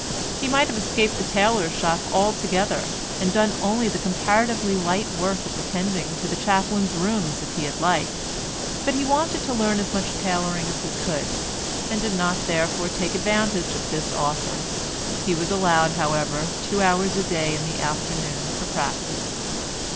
He might have escaped the tailor's shop altogether and done only the comparatively light work of attending to the chaplain's rooms if he had liked, but he wanted to learn as much tailoring as he could, and did not therefore take advantage of this offer; he was allowed, however, two hours a day in the afternoon for practice.